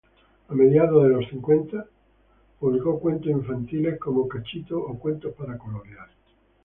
A medianos de los cincuenta publicó cuentos infantiles como "Cachito" o cuentos para colorear.